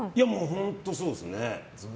本当そうですね。